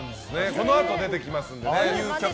このあと出てきますのでね。